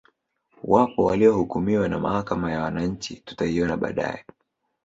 Wapo waliohukumiwa na Mahakama ya wananchi tutaiona baadae